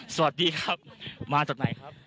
สวัสดีครับมาจากไหนครับ